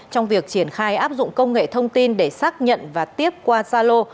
trong việc triển khai áp dụng công nghệ thông tin để xác nhận và tiếp qua gia lô